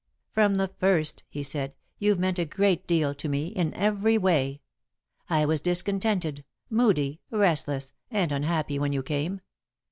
"From the first," he said, "you've meant a great deal to me, in every way. I was discontented, moody, restless, and unhappy when you came.